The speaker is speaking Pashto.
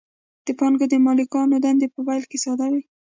د بانکونو د مالکانو دنده په پیل کې ساده وه